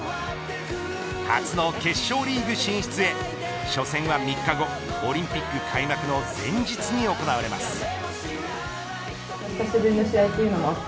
初の決勝リーグ進出へ初戦は３日後オリンピック開幕の前日に行われます。